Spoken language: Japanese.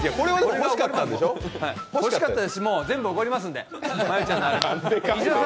欲しかったですし全部おごりますんで。